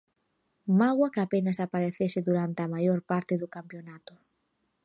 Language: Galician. Mágoa que apenas aparecese durante a maior parte do campionato.